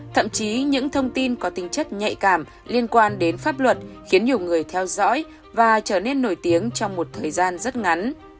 thậm chí những thông tin có tính chất nhạy cảm liên quan đến pháp luật khiến nhiều người theo dõi và trở nên nổi tiếng trong một thời gian rất ngắn